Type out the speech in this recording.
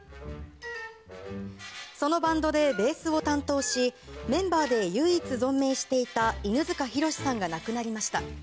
そのバンドでベースを担当しメンバーで唯一存命していた犬塚弘さんが亡くなりました。